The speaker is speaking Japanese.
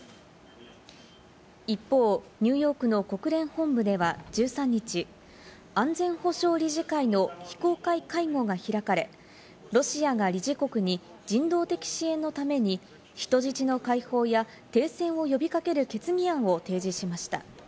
一方、ニューヨークの国連本部では１３日、安全保障理事会の非公開会合が開かれ、ロシアが理事国に人道的支援のために人質の解放や停戦を呼びかける決議案を提示しました。